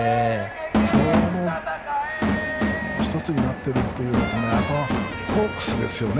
その一つになっているというのはあとは、ホークスですよね